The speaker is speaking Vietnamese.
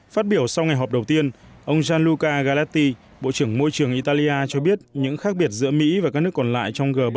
phát biểu sau ngày họp đầu tiên ông januca galetti bộ trưởng môi trường italia cho biết những khác biệt giữa mỹ và các nước còn lại trong g bảy